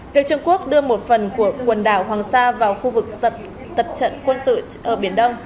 việc trung quốc đưa một phần của quần đảo hoàng sa vào khu vực tập trận quân sự ở biển đông